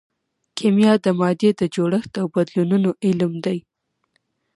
کیمیا د مادې د جوړښت او بدلونونو علم دی.